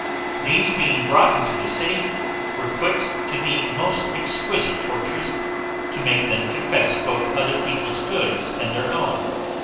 These being brought into the city, were put to the most exquisite tortures, to make them confess both other people's goods and their own.